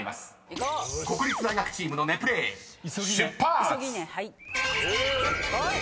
［国立大学チームのネプレール出発！］